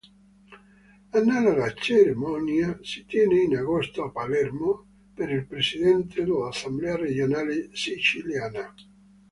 Analoga cerimonia si tiene in agosto, a Palermo, per il Presidente dell'Assemblea Regionale Siciliana.